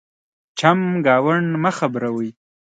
چمګاونډ مه خبرَوئ.